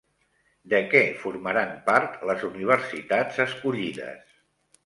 De què formaran part les universitats escollides?